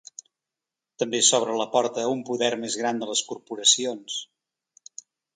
També s’obre la porta a un poder més gran de les corporacions.